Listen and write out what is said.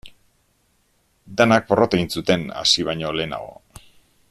Danak porrot egin zuten hasi baino lehenago.